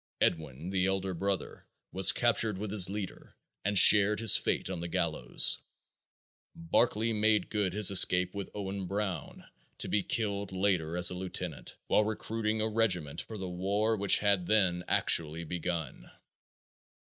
Edwin, the elder brother, was captured with his leader and shared his fate on the gallows. Barclay made good his escape with Owen Brown, to be killed later as a lieutenant, while recruiting a regiment for the war which had then actually begun.